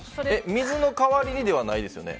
水の代わりにではないですよね。